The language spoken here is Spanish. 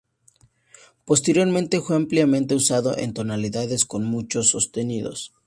Posteriormente fue ampliamente usado en tonalidades con muchos sostenidos.